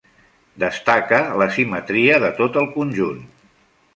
Destaca l'asimetria de tot el conjunt.